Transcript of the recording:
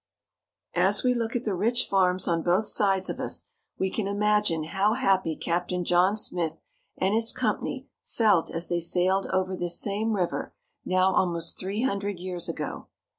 As we look at the rich farms on both sides of us, we can ima gine how happy Captain John Smith and his company felt as they sailed over this same river now almost three hundred years ago.